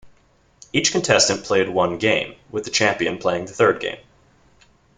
Each contestant played one game, with the champion playing the third game.